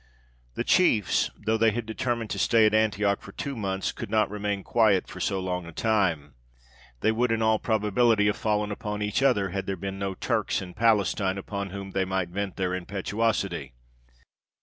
The chiefs, though they had determined to stay at Antioch for two months, could not remain quiet for so long a time. They would, in all probability, have fallen upon each other, had there been no Turks in Palestine upon whom they might vent their impetuosity.